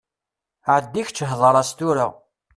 Ɛeddi kečči hḍeṛ-as tura.